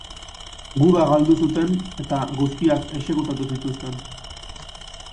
Guda galdu zuten eta guztiak exekutatu zituzten.